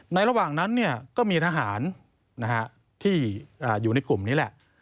ระหว่างนั้นก็มีทหารที่อยู่ในกลุ่มนี้แหละ